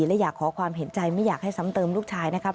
และอยากขอความเห็นใจไม่อยากให้ซ้ำเติมลูกชายนะครับ